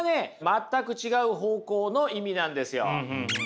全く違う方向の意味なんですよ。